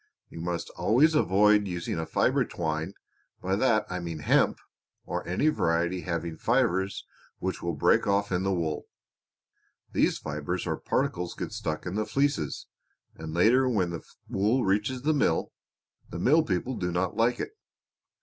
You must always avoid using a fiber twine by that I mean hemp, or any variety having fibers which will break off in the wool. These fibers or particles get stuck in the fleeces, and later when the wool reaches the mill, the mill people do not like it.